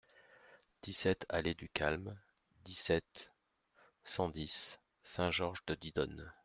dix-sept allée du Calme, dix-sept, cent dix, Saint-Georges-de-Didonne